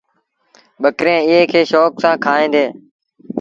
ٻڪريݩ ايئي کي شوڪ سآݩ کائيٚݩ ديٚݩ۔